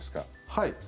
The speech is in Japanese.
はい。